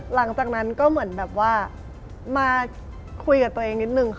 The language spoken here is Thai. หลังจากนั้นก็เหมือนแบบว่ามาคุยกับตัวเองนิดนึงค่ะ